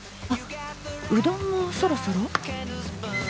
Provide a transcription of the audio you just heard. うどんもそろそろ？